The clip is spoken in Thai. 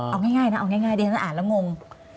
เอาง่ายนะเอาง่ายดิฉันอ่านแล้วงง